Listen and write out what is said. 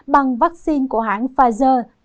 bằng vaccine của hãng pfizer